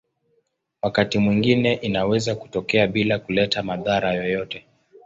Wakati mwingine inaweza kutokea bila kuleta madhara yoyote.